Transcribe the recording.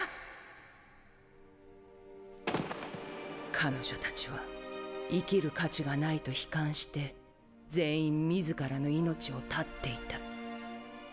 彼女たちは生きる価値がないと悲観して全員自らの命を絶っていた。